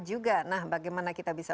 juga nah bagaimana kita bisa